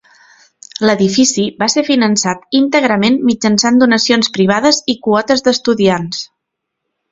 L'edifici va ser finançat íntegrament mitjançant donacions privades i quotes d'estudiants.